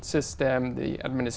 của world bank